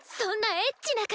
エッチな方。